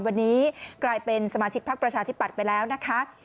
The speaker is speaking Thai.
วันนี้กลายเป็นสมาชิกพักประชาธิปัตย์ไปแล้วนะคะ